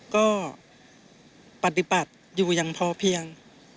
ก็ปฏิบัติอยู่อย่างพอเพียง